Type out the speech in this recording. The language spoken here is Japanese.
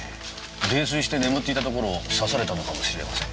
泥酔して眠っていたところを刺されたのかもしれません。